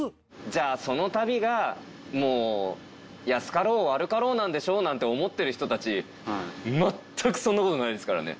じゃあその旅がもう「安かろう悪かろう」なんでしょうなんて思ってる人たち全くそんなことないですからね。